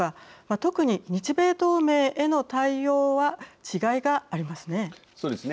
特に日米同盟の対応は違いがありますね。